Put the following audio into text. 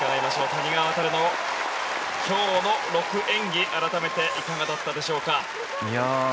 谷川航の今日の６演技改めていかがだったでしょうか？